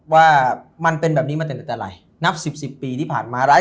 ว่ามันเป็นแบบนี้มันเป็นด้วยละไหนนับ๑๐ปีที่ผ่านมา